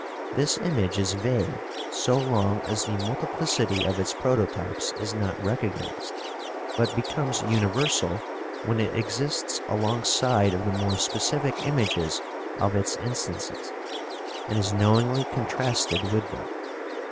This image is vague so long as the multiplicity of its prototypes is not recognized, but becomes universal when it exists alongside of the more specific images of its instances, and is knowingly contrasted with them.